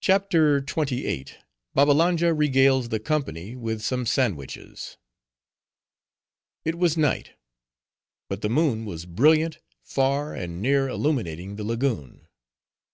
CHAPTER XXVIII. Babbalanja Regales The Company With Some Sandwiches It was night. But the moon was brilliant, far and near illuminating the lagoon.